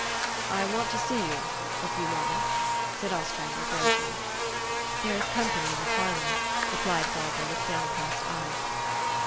" I want to see you a few moments," said Os trander gravely. "There is company in the parlor," replied Bar bara, with downcast eyes.